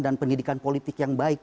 dan pendidikan politik yang baik